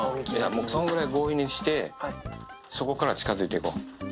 もうそんぐらい強引にして、そこから近づいていこ。